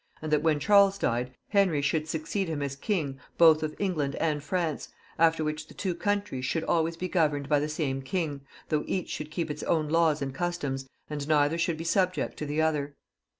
and that when Charles died, Henry should succeed him as king both of England and France, after which the two countries should always be governed by the same king, though each should keep its own laws and customs, and neither should be subject to the other.